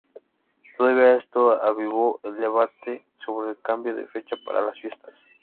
Todo esto avivó el debate sobre el cambio de fecha para las fiestas.